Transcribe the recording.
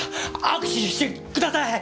握手してください！